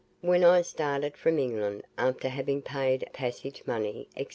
"When I started from England, after having paid passage money, &c.